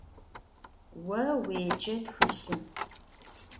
Vo vuêce txılhım.